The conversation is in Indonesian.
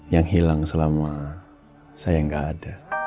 yang hilang selama saya nggak ada